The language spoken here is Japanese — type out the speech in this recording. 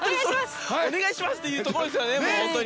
お願いしますというところですよね。